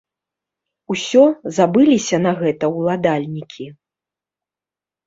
Усё, забыліся на гэта ўладальнікі?